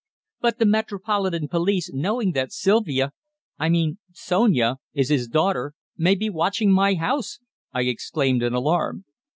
"But the metropolitan police, knowing that Sylvia I mean Sonia is his daughter, may be watching my house!" I exclaimed in alarm.